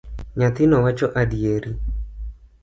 Nyathino wacho adieri.